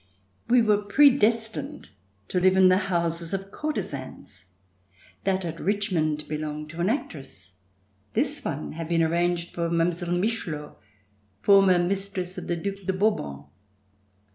We were predestined to live in the houses of courtesans. That at Richmond belonged to an actress; this one had been arranged for Mile. Michelot, former RETURN TO PARIS mistress of the Due de Bourbon.